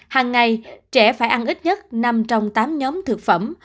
hàng ngày trẻ phải ăn ít nhất năm trong tám nhóm thực phẩm